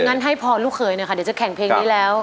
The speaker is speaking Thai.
งั้นให้พรลูกเขยหน่อยค่ะเดี๋ยวจะแข่งเพลงนี้แล้ว